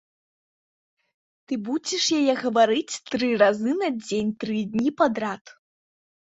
Ты будзеш яе гаварыць тры разы на дзень тры дні падрад.